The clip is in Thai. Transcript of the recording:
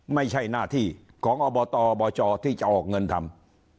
ไม่ใช่หน้าที่ของอบตอบจที่จะออกเงินทำ